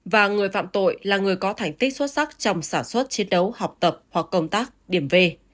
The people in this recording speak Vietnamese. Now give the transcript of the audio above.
và người phạm tội là người có thành tích xuất sắc trong sản xuất chiến đấu học tập hoặc công tác điểm về